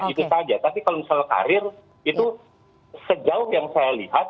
itu saja tapi kalau misalnya karir itu sejauh yang saya lihat